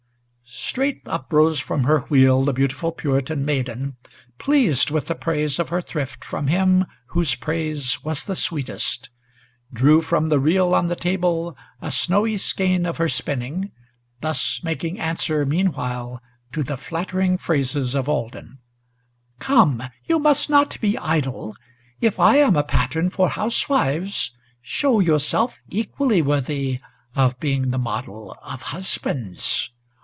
Straight uprose from her wheel the beautiful Puritan maiden, Pleased with the praise of her thrift from him whose praise was the sweetest, Drew from the reel on the table a snowy skein of her spinning, Thus making answer, meanwhile, to the flattering phrases of Alden: "Come, you must not be idle; if I am a pattern for housewives, Show yourself equally worthy of being the model of husbands.